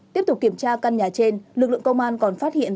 tiếp tục kiểm tra căn nhà trên lực lượng công an còn phát hiện